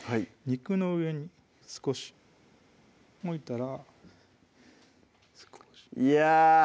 肉の上に少し置いたらいや！